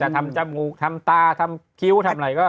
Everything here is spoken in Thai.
ทำจมูกทำตาทำคิ้วทำอะไรก็